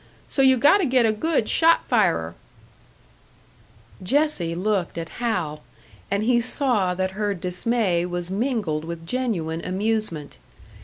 So you gotta get a good shot firer." Jessie looked at Hal, and he saw that her dismay was mingled with genuine amusement.